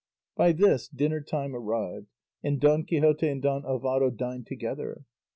By this dinner time arrived, and Don Quixote and Don Alvaro dined together.